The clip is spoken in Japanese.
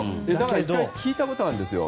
１回聞いたことあるんです。